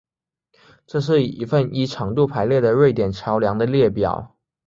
这是一份依长度排列的瑞典桥梁的列表